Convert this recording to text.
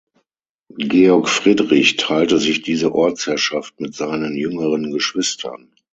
Georg Friedrich teilte sich diese Ortsherrschaft mit seinen jüngeren Geschwistern.